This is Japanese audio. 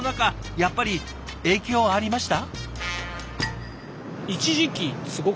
やっぱり影響ありました？